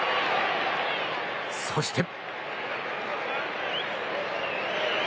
そして。